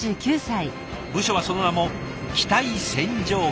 部署はその名も機体洗浄課。